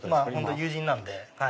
友人なんで。